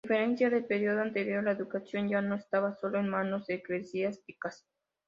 A diferencia del periodo anterior, la educación ya no estaba solo en manos eclesiásticas.